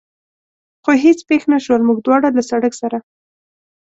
خو هېڅ پېښ نه شول، موږ دواړه له سړک سره.